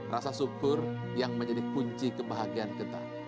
rasa syukur yang menjadi kunci kebahagiaan kita